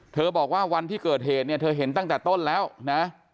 บอกว่าวันที่เกิดเหตุเนี่ยเธอเห็นตั้งแต่ต้นแล้วนะ